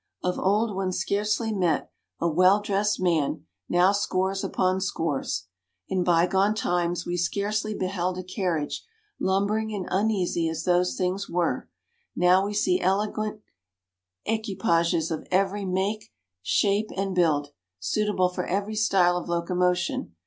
Of old one scarcely met a well dressed man now scores upon scores. In bye gone times, we scarcely beheld a carriage, lumbering and uneasy as those things were now we see elegant equipages of every make, shape, and build, suitable for every style of locomotion.